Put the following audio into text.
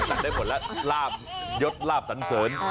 ได้หมดแล้วลาบยดลาบสันเสริญ